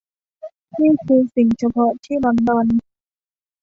นี่คือสิ่งเฉพาะที่ลอนดอน